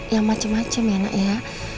yang macem macem ya nak ya